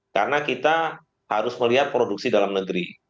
karena kita harus melihat produksi dalam negeri